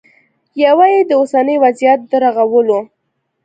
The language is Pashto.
یوه یې د اوسني وضعیت د رغولو